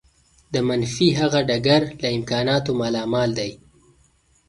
د منفي هغه ډګر له امکاناتو مالامال دی.